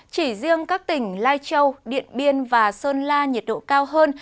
chỉ riêng các tỉnh lai châu điện biên và sơn la nhiệt độ cao hơn